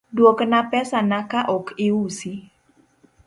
Dwokna pesa na ka ok iusi.